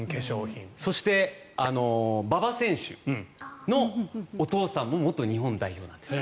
そして、馬場選手のお父さんも元日本代表なんです。